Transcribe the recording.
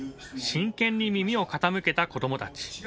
真剣に耳を傾けた子どもたち。